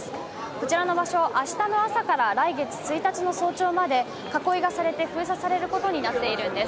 こちらの場所、明日の朝から来月１日の早朝まで囲いがされて封鎖されることになっているんです。